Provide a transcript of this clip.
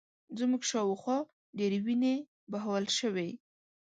زموږ شا و خوا ډېرې وینې بهول شوې